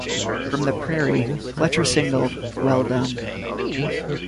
From the "Prairie", Fletcher signaled "Well done".